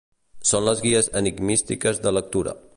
Són les guies enigmístiques de lectura.